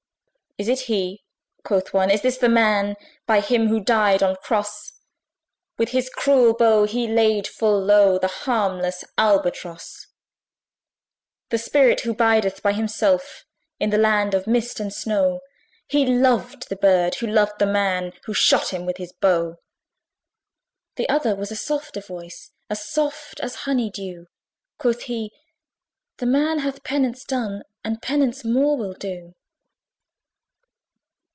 "Is it he?" quoth one, "Is this the man? By him who died on cross, With his cruel bow he laid full low, The harmless Albatross. "The spirit who bideth by himself In the land of mist and snow, He loved the bird that loved the man Who shot him with his bow." The other was a softer voice, As soft as honey dew: Quoth he, "The man hath penance done, And penance more will do."